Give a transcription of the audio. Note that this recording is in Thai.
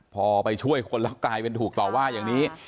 พอไปช่วยคนแล้วกลายเป็นถูกต่อว่าอย่างนี้